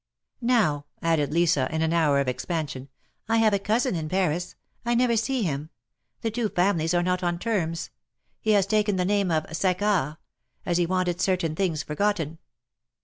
^^Now," added Lisa, in an hour of expansion, have a cousin in Paris. I never see him. The two families are not on terms. He has taken the name of Saccard — as he wanted certain things forgotten.